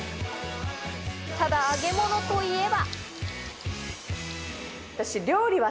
ただ揚げ物といえば。